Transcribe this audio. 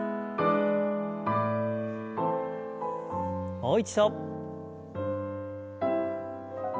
もう一度。